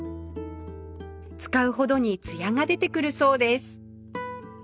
使うほどにツヤが出てくるそうです